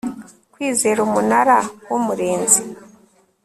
kwizera umunara w umurinzi